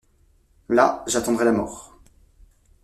Là, j’attendrai la mort.